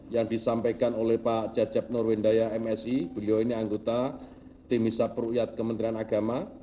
yang disampaikan oleh pak jajab norwendaya msi beliau ini anggota timisa peruyat kementerian agama